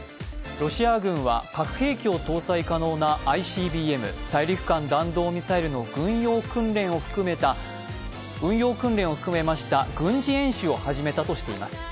ロシア軍は核兵器を搭載可能なＩＣＢＭ＝大陸間弾道ミサイルの運用訓練を含めた軍事演習を始めたとしています。